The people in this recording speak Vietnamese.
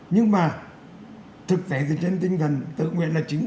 nhưng mà thực tế thì trên tinh thần tự nguyện là chính